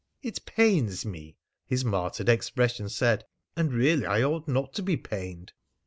"It pains me." (His martyred expression said: "And really I ought not to be pained.")